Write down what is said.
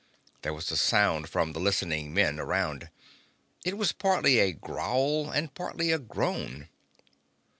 There was a sound from the listening men around. It was partly a growl and partly a groan.